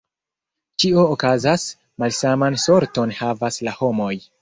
Ĉio okazas, malsaman sorton havas la homoj!